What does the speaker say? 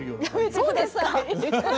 そうですか？